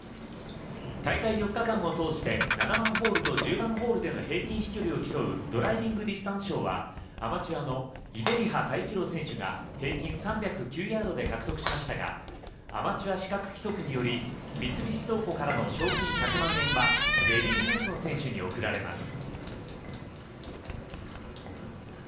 大会４日間を通して７番ホールと１０番ホールでの平均飛距離を競うドライビングディスタンス賞はアマチュアの出利葉選手が平均３０９ヤードで獲得しましたがアマチュア資格規則による三菱倉庫からの賞金１００万円はベリー・ヘンソン選手に贈られます。